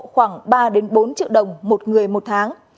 khoảng ba bốn triệu đồng một người một tháng